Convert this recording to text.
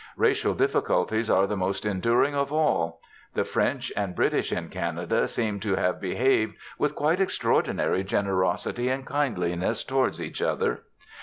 Racial difficulties are the most enduring of all. The French and British in Canada seem to have behaved with quite extraordinary generosity and kindliness towards each other.